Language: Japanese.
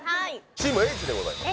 チームＨでございます